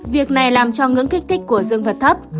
việc này làm cho ngưỡng kích thích của dương vật thấp